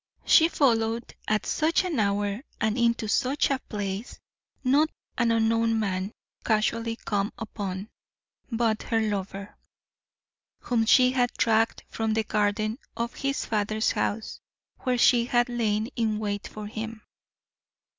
She followed at such an hour and into such a place, not an unknown man casually come upon, but her lover, whom she had tracked from the garden of his father's house, where she had lain in wait for him.